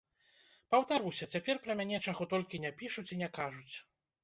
Паўтаруся, цяпер пра мяне чаго толькі не пішуць і не кажуць.